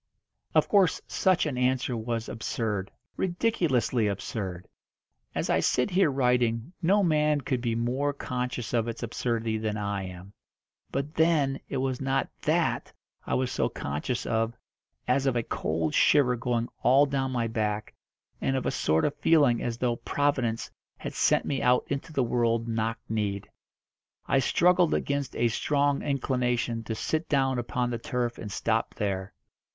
Of course such an answer was absurd ridiculously absurd. As I sit here writing no man could be more conscious of its absurdity than I am. But then it was not that I was so conscious of as of a cold shiver going all down my back, and of a sort of feeling as though Providence had sent me out into the world knock kneed. I struggled against a strong inclination to sit down upon the turf and stop there.